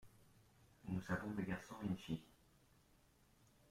Nous avons deux garçons et une fille.